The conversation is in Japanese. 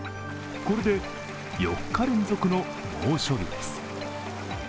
これで４日連続の猛暑日です。